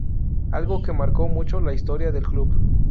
Algo que marcó mucho la historia del club.